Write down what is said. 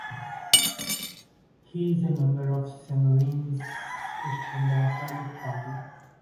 He is a member of the Sammarinese Christian Democratic Party.